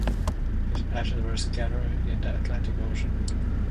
His ashes were scattered in the Atlantic Ocean.